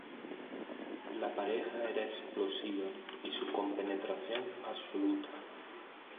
La pareja era explosiva, y su compenetración, absoluta.